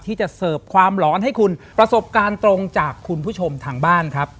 จะเสิร์ฟความหลอนให้คุณประสบการณ์ตรงจากคุณผู้ชมทางบ้านครับ